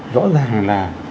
rõ ràng là